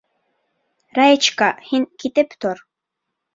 Раечка, һин китеп тор.